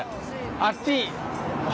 あっち。